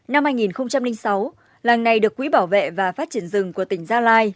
năm hai nghìn sáu làng này được quỹ bảo vệ và phát triển rừng của tỉnh gia lai